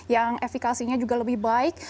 yang efikasinya juga lebih baik